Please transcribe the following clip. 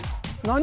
何？